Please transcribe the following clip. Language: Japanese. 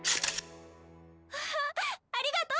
うわありがとう！